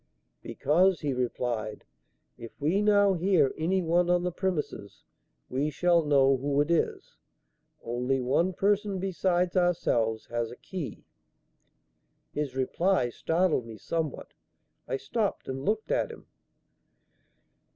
"Because," he replied, "if we now hear any one on the premises we shall know who it is. Only one person besides ourselves has a key." His reply startled me somewhat. I stopped and looked at him.